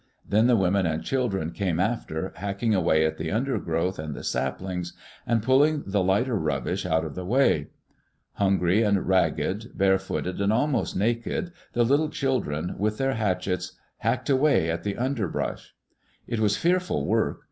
Then the women and chil dren came after, hacking away at the undergrowth and the saplings, and pulling the lighter rubbish out of the way. Hungry and ragged, barefooted and almost naked, the little children, with their hatchets, hacked away at the underbrush. It was fearful work.